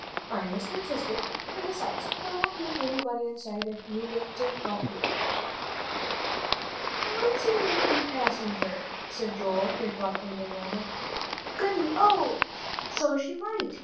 "I'm Mr. Tisbett, and besides, there won't be anybody inside if you get up here." "Phronsie might be passenger," said David, reflecting a moment. "Goody, oh, so she might!"